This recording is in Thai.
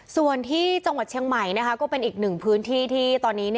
ส่วนที่จังหวัดเชียงใหม่นะต์ก็เป็น๑พื้นที่ตอนนี้